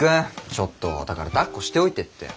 ちょっとだからだっこしておいてって。